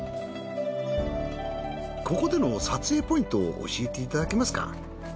ここでの撮影ポイントを教えていただけますか？